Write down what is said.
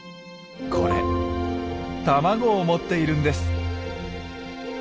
これ卵を持っているんです。